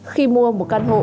khi mua một căn hộ